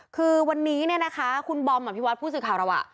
คือวันนี้เนี่ยนะคะคุณบอมอภิวัตรพูดสื่อข่าวแล้วอ่ะ